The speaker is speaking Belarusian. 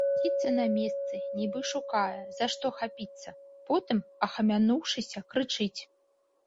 Мітусіцца на месцы, нібы шукае, за што хапіцца, потым, ахамянуўшыся, крычыць.